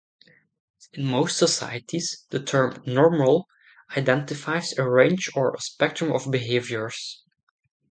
In most societies, the term 'normal' identifies a range or spectrum of behaviors.